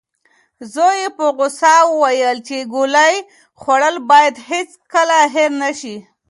زوی یې په غوسه وویل چې ګولۍ خوړل باید هیڅکله هېر نشي.